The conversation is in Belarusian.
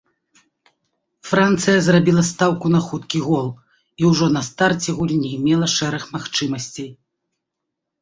Францыя зрабіла стаўку на хуткі гол і ўжо на старце гульні мела шэраг магчымасцей.